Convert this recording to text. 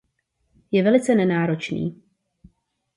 Je velice nenáročný.